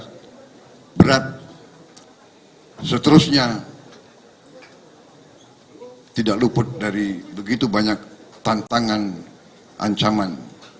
berat seterusnya tidak luput dari begitu banyak tantangan ancaman